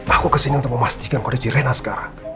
aku kesini untuk memastikan kau jadi renna sekarang